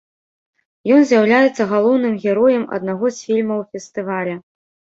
Ён з'яўляецца галоўным героем аднаго з фільмаў фестываля.